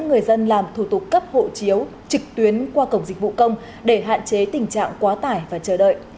người dân làm thủ tục cấp hộ chiếu trực tuyến qua cổng dịch vụ công để hạn chế tình trạng quá tải và chờ đợi